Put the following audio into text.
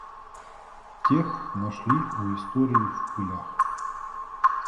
Тех нашли у истории в пылях.